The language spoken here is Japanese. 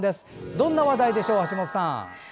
どんな話題でしょう、橋本さん。